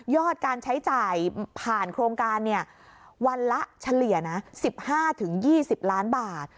ยอดการใช้จ่ายผ่านโครงการเนี่ยวันละเฉลี่ยนะสิบห้าถึงยี่สิบล้านบาท